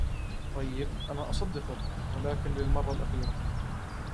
طيب انا أصدقك ولكن للمرة الأخيرة.